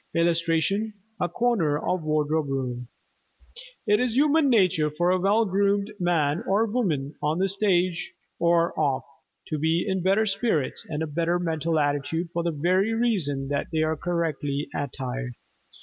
[Illustration: A CORNER OF WARDROBE ROOM] It is human nature for a well groomed man or woman, on the stage or off, to be in better spirits and a better mental attitude for the very reason that they are correctly attired.